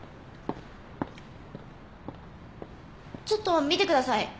ちょっと見てください。